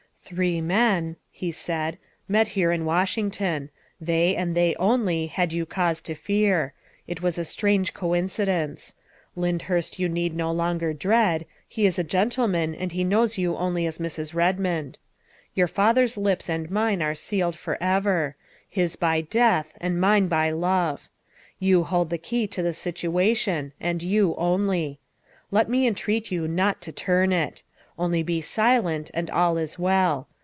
" Three men," he said, " met here in Washington. They, and they only, had you cause to fear. It was a strange coincidence. Lyndhurst you need no longer dread; he is a gentleman and he knows you only as Mrs. Kedmond. Your father's lips and mine are sealed forever his by death and mine by love. You hold the key to the situation, and you only. Let me entreat you not to turn it. Only be silent and all is well.